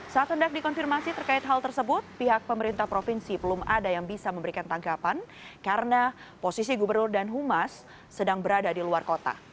saat hendak dikonfirmasi terkait hal tersebut pihak pemerintah provinsi belum ada yang bisa memberikan tanggapan karena posisi gubernur dan humas sedang berada di luar kota